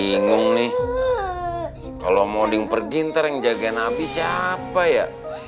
bingung nih kalau mau ding pergi ntar yang jagain abi siapa ya